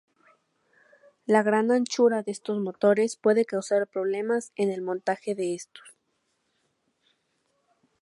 La gran anchura de estos motores puede causar problemas en el montaje de estos.